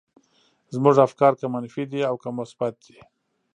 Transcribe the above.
زموږ افکار که منفي دي او که مثبت دي.